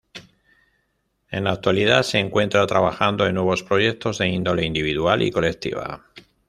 En la actualidad se encuentra trabajando en nuevos proyectos de índole individual y colectiva.